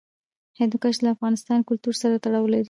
هندوکش له افغان کلتور سره تړاو لري.